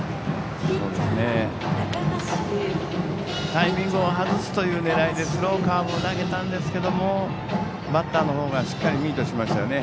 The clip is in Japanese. タイミングを外すという狙いでスローカーブを投げたんですけれどもバッターの方がしっかりミートしましたよね。